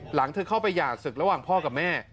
หลังเธอเข้าไปหย่าศึกระหว่างพ่อกับแม่